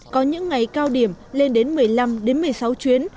có những ngày cao điểm lên đến một mươi năm một mươi sáu chuyến